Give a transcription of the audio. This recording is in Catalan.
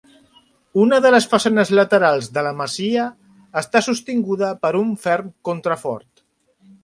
Una de les façanes laterals de la masia està sostinguda per un ferm contrafort.